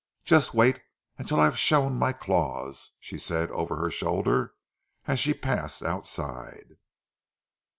"Just wait until I have shown my claws," she said over her shoulder, as she passed outside.